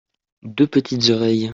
deux petites oreilles.